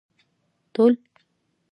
ټول